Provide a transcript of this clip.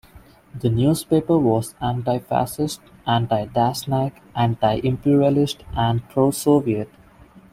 The newspaper was anti-fascist, anti-Dashnak, anti-imperialist and pro-Soviet.